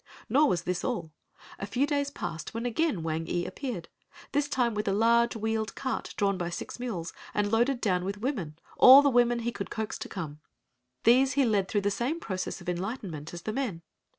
Nor was this all. A few days passed when again Wang ee appeared—this time with a large wheeled cart drawn by six mules, and loaded down with women, all the women he could coax to come. These he led through the same process of enlightenment as the men.